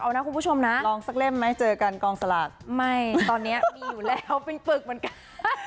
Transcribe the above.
เอานะคุณผู้ชมนะลองสักเล่มไหมเจอกันกองสลากไม่ตอนนี้มีอยู่แล้วเป็นปึกเหมือนกัน